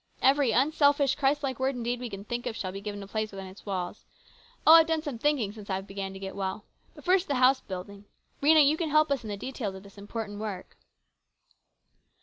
Every unselfish, Christ like word and deed we can think of shall be given a place within its walls. Oh, I've done some thinking since I began to get well ! But first to the house building. Rhena, you can help us in the details of this important work."